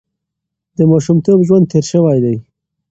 د ماشومتوب ژوند تېر شوی دی.